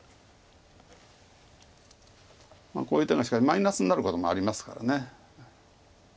こういう手がしかしマイナスになることもありますから。